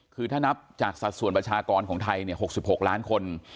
คือถ้านับจากสัดส่วนประชากรของไทยเนี่ยหกสิบหกล้านคน